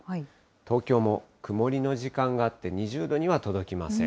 東京も曇りの時間があって、２０度には届きません。